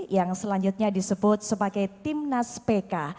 yang selanjutnya disebut sebagai tim nas pk